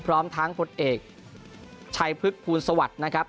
พร้อมทั้งผลเอกชัยพฤกษภูมิสวัสดิ์นะครับ